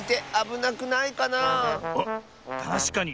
おったしかに。